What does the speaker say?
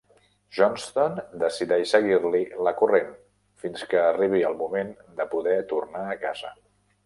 Johnston decideix seguir-li la corrent fins que arribi el moment de poder tornar a casa.